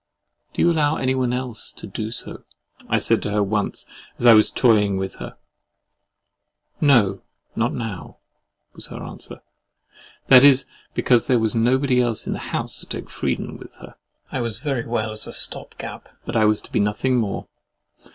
"Do you allow anyone else to do so?" I said to her once, as I was toying with her. "No, not now!" was her answer; that is, because there was nobody else in the house to take freedoms with her. I was very well as a stopgap, but I was to be nothing more.